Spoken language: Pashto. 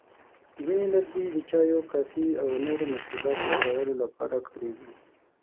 ځینې لرګي د چایو، کافي، او نورو مشروباتو جوړولو لپاره کارېږي.